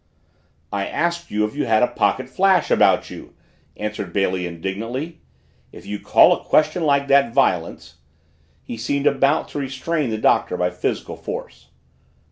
"I asked you if you had a pocket flash about you!" answered Bailey indignantly. "If you call a question like that violence " He seemed about to restrain the Doctor by physical force.